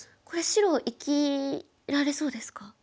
これ白生きられそうですか？